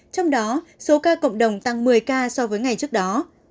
trong đó số ca cộng đồng tăng một mươi ca so với ngày trước đó